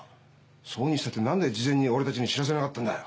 そうにしたってなんで事前に俺たちに知らせなかったんだよ！